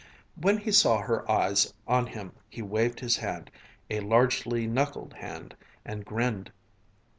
When he saw her eyes on him he waved his hand, a largely knuckled hand, and grinned.